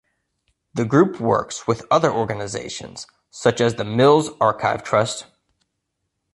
The group works with other organisations such as the Mills Archive Trust.